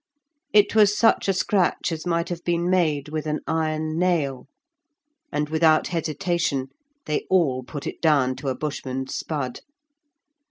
It was such a scratch as might have been made with an iron nail, and, without hesitation, they all put it down to a Bushman's spud.